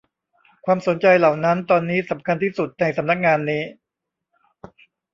ความสนใจเหล่านั้นตอนนี้สำคัญที่สุดในสำนักงานนี้